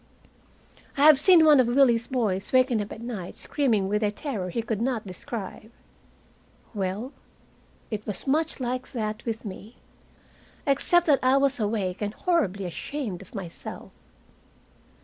I have seen one of Willie's boys waken up at night screaming with a terror he could not describe. Well, it was much like that with me, except that I was awake and horribly ashamed of myself.